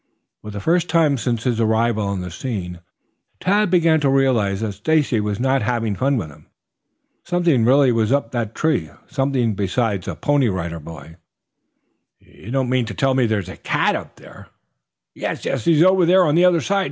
For the first time since his arrival on the scene Tad began to realize that Stacy was not having fun with him. Something really was up that tree something besides a Pony Rider boy. "You don't mean to tell me there's a cat up there " "Yes, yes! He's over there on the other side.